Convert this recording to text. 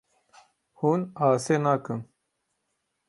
Hûn asê nakin.